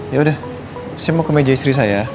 yaudah saya mau ke meja istri saya